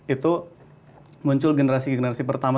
itu muncul generasi generasi pertama